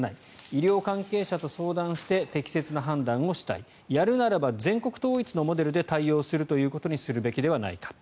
医療関係者と相談をして適切な判断をしたいやるならば全国統一のモデルで対応するということにするべきではないか。